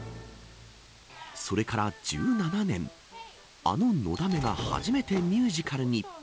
それから１７年あの、のだめが初めてミュージカルに。